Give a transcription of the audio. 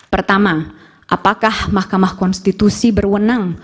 pertama apakah mahkamah konstitusi berwenang